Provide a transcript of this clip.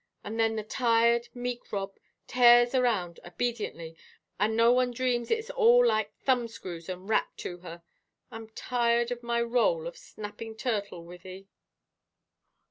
And then the tired, meek Rob tears around obediently, and no one dreams it's all like thumb screws and rack to her. I'm tired of my rôle of snapping turtle, Wythie."